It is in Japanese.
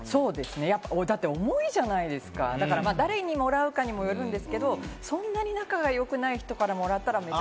だって重いじゃないですか、誰にもらうかにもよるんですけれど、そんなに仲がよくない人からもらったら。